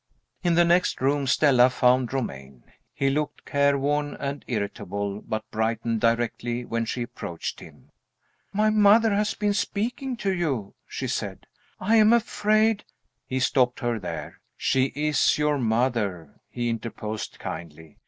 In the next room Stella found Romayne. He looked careworn and irritable, but brightened directly when she approached him. "My mother has been speaking to you," she said. "I am afraid " He stopped her there. "She is your mother," he interposed, kindly.